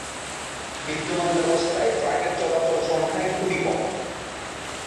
বিদ্যমান ব্যবস্থায় ট্রাকের চলাচল সংখ্যায় খুবই কম।